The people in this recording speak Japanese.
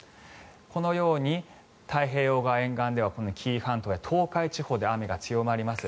このように太平洋側沿岸では紀伊半島や東海地方で雨が強まります。